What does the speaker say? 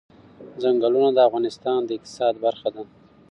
ځنګلونه د افغانستان د اقتصاد برخه ده.